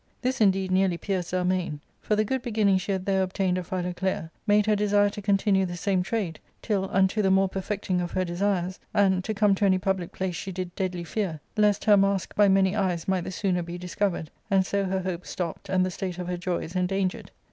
This indeed [ nearly pierced Zelmane ; for the good beginning she had there obtained of Philoclea made her desire to continue the same trade, till unto the more perfecting of her desires, and, to come to any public place she did deadly fear, lest her mask by many eyes might the sooner be discovered, and so her hopes stopped and the state of her joys endangered.